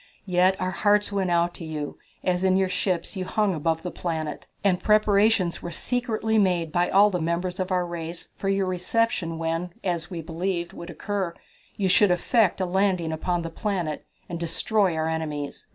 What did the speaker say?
Yet our hearts went out to you, as in your ships you hung above the planet, and preparations were secretly made by all the members of our race for your reception when, as we believed, would occur, you should effect a landing upon the planet and destroy our enemies."